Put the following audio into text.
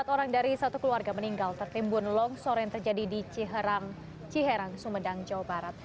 empat orang dari satu keluarga meninggal tertimbun longsor yang terjadi di ciherang sumedang jawa barat